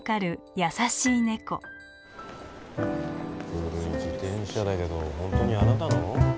古い自転車だけど本当にあなたの？